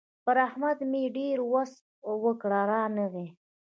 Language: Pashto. پر احمد مې ډېر وس وکړ؛ رانغی.